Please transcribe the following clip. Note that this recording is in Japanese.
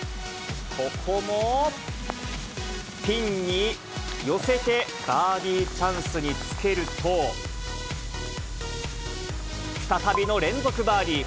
ここもピンに寄せてバーディーチャンスにつけると、再びの連続バーディー。